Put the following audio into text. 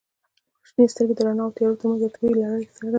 • شنې سترګې د رڼا او تیارو ترمنځ یوه طبیعي لړۍ څرګندوي.